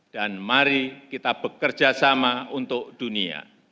dan mari kita bekerja sama untuk dunia